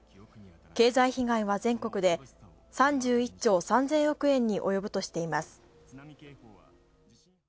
経済被害は全国で３１兆３０００億円に及ぶとしています。